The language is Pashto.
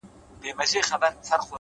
علم د راتلونکي جوړولو وسیله ده’